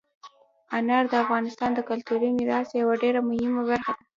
انار د افغانستان د کلتوري میراث یوه ډېره مهمه برخه ده.